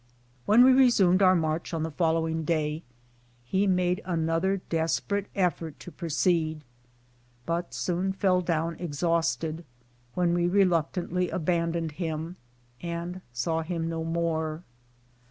When we resumed our march on the following day he made another desperate effort to proceed, but soon fell down exhausted, when we reluctantly abandoned him, and saw him no more.